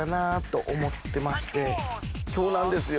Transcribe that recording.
今日なんですよ。